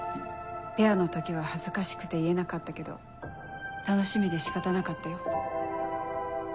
ペアの時は恥ずかしくて言えなかったけど楽しみで仕方なかったよ。